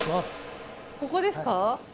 ここですか？